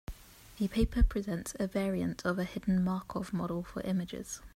The paper presents a variant of a hidden Markov model for images.